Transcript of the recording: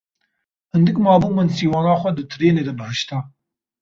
Hindik mabû min sîwana xwe di trênê de bihişta.